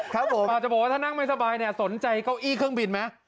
ครับผมอาจจะบอกว่าถ้านั่งไม่สบายเนี่ยสนใจเก้าอี้เครื่องบินไหม